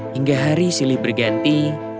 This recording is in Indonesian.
hingga hari silih berganti